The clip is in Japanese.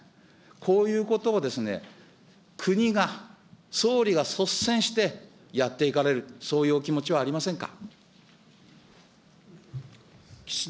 こういうことを国が、総理が率先してやっていかれる、そういうお気持ちはありませんか。